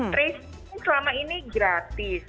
tracing selama ini gratis